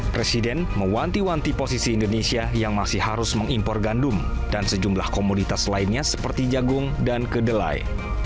presiden mewanti wanti posisi indonesia yang masih harus mengimpor gandum dan sejumlah komoditas lainnya seperti jagung dan kedelai